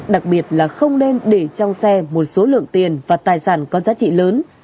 đặc biệt là không nên để trong xe một số lượng tiền và tài sản có giá trị lớn